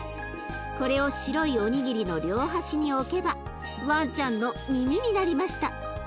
これを白いおにぎりの両端に置けばワンちゃんの耳になりました。